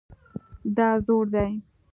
دا زوړ دی